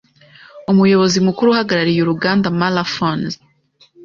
Umuyobozi Mukuru uhagarariye uruganda Mara Phones